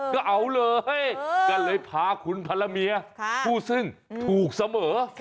ก็เลยพาคุณพระเมียผู้ซึ่งถูกเสมอ